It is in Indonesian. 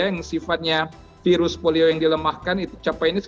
yang sifatnya virus polio yang dilemahkan capainya sekitar delapan puluh di indonesia